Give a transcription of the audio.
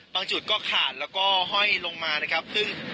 บางจุดก็ขาดแล้วก็ห้อยลงมาขึ้น